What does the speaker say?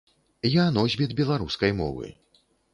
Я носьбіт беларускай мовы.